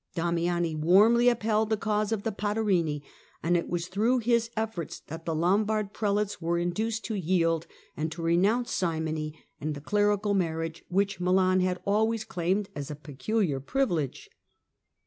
Damiani warmly upheld the cause of the " Patarini," and it was through his efforts that the Lombard prelates were induced to yield and to renounce simony and the clerical marriage which Milan had always claimed as a peculiar privilege.